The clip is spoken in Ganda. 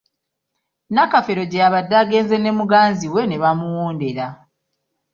Nakafeero gye yabadde agenze ne muganzi we ne bamuwondera.